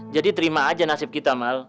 jadi terima aja nasib kita mal